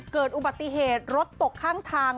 เกิดอุบัติเหตุรถตกข้างทาง